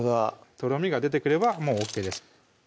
とろみが出てくればもうＯＫです